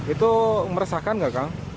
itu meresahkan nggak